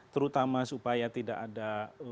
terutama supaya tidak ada